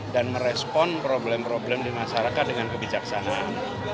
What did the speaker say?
merespon problem problem di masyarakat dengan kebijaksanaan